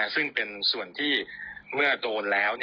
ซึ่งเป็นส่วนที่เมื่อโดนแล้ว